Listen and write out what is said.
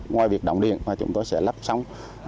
ngoài việc động điện và chúng tôi sẽ lắp xong